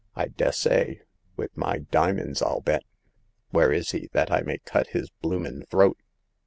"" I dessay ! With my dimins, I'll bet. Where is he, that I may cut his bloomin' throat